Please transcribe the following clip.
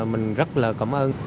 mình rất là cảm ơn